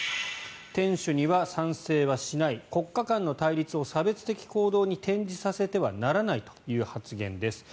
店主には賛成はしない国家の対立を差別的行動に転じさせてはならないという発言です。